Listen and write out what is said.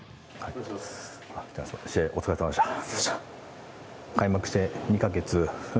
試合、お疲れさまでした。